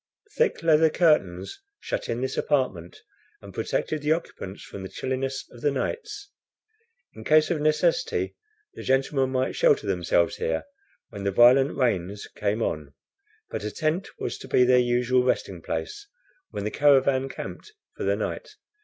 Thick leather curtains shut in this apartment, and protected the occupants from the chilliness of the nights. In case of necessity, the gentlemen might shelter themselves here, when the violent rains came on, but a tent was to be their usual resting place when the caravan camped for the night.